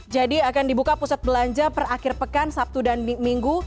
jadi akan dibuka pusat belanja per akhir pekan sabtu dan minggu